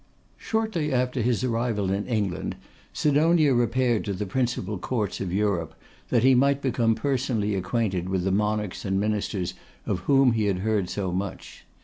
Shortly after his arrival in England, Sidonia repaired to the principal Courts of Europe, that he might become personally acquainted with the monarchs and ministers of whom he had heard so much.